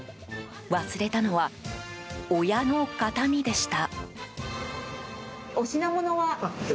忘れたのは、親の形見でした。